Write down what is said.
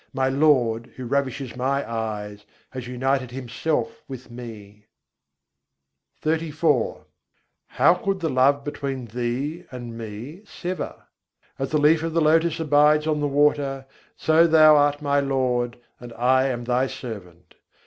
my Lord, who ravishes my eyes, has united Himself with me." XXXIV II. 110. mohi tohi lâgî kaise chute How could the love between Thee and me sever? As the leaf of the lotus abides on the water: so thou art my Lord, and I am Thy servant.